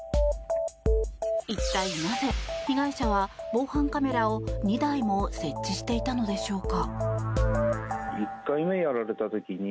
一体なぜ被害者は防犯カメラを２台も設置していたのでしょうか。